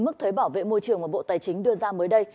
mức thuế bảo vệ môi trường mà bộ tài chính đưa ra mới đây